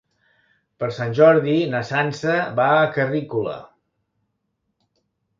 Per Sant Jordi na Sança va a Carrícola.